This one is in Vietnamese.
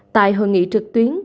tại hội nghị trực tuyến